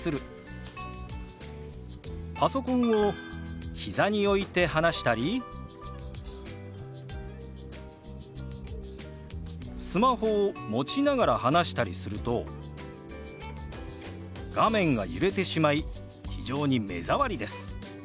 パソコンを膝に置いて話したりスマホを持ちながら話したりすると画面が揺れてしまい非常に目障りです。